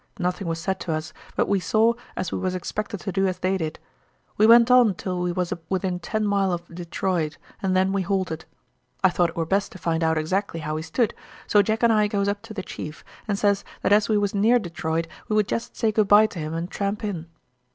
Nothing was said to us, but we saw as we was expected to do as they did. We went on till we was within ten mile of Detroit and then we halted. I thought it were best to find out exactly how we stood, so Jack and I goes up to the chief and says that as we was near Detroit we would jest say good by to him and tramp in.